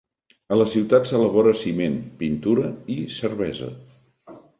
A la ciutat s'elabora ciment, pintura i cervesa.